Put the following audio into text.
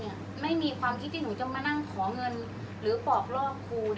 อันไหนที่มันไม่จริงแล้วอาจารย์อยากพูด